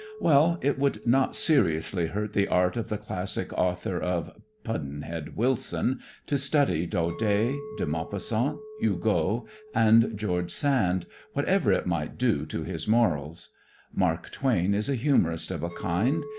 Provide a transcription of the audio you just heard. Well, it would not seriously hurt the art of the classic author of "Puddin' Head Wilson" to study Daudet, De Maupassant, Hugo and George Sand, whatever it might do to his morals. Mark Twain is a humorist of a kind.